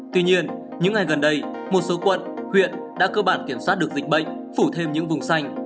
tuy nhiên những ngày gần đây một số quận huyện đã cơ bản kiểm soát được dịch bệnh phủ thêm những vùng xanh